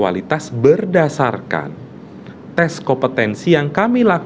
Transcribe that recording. apakah partai politik yang bisa mencoblos